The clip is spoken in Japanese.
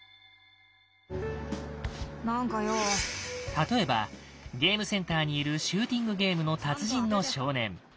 例えばゲームセンターにいるシューティングゲームの達人の少年。